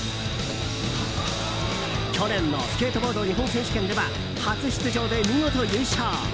去年のスケートボード日本選手権では初出場で見事優勝。